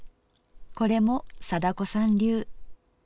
これも貞子さん流。